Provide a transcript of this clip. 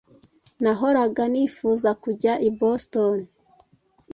Nahoraga nifuza kujya i Boston.